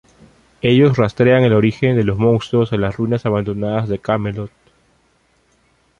Ellos rastrean el origen de los monstruos a las ruinas abandonadas de Camelot.